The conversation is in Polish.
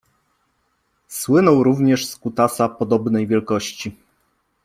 Słynął również z kutasa podobnej wielkości.